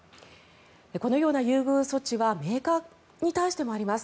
このような優遇措置はメーカーに対してもあります。